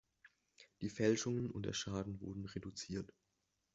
Die Fälschungen und der Schaden wurden reduziert.